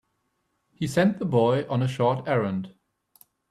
He sent the boy on a short errand.